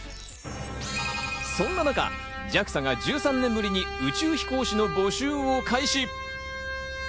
そんな中、ＪＡＸＡが１３年ぶりに宇宙飛行士の募集を開始。